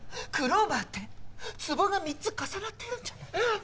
クローバーってつぼが３つ重なってるんじゃ？